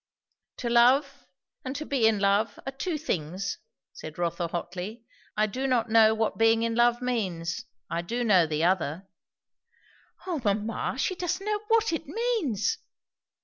"To love, and to be in love, are two things," said Rotha hotly. "I do not know what being in love means; I do know the other." "O mamma! she doesn't know what it means!"